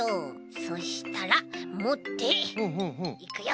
そしたらもっていくよ。